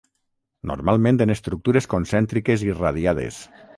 Normalment en estructures concèntriques i radiades.